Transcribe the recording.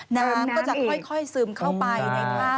น้ำก็จะค่อยซึมเข้าไปในถ้ำ